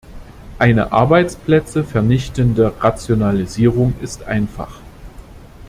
Eine Arbeitsplätze vernichtende Rationalisierung ist einfach.